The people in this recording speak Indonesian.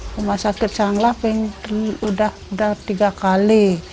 rumah sakit sang lap yang udah tiga kali